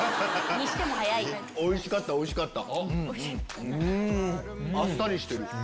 おいしかったおいしかった。